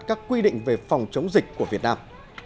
các quy định về phòng chống dịch của việt nam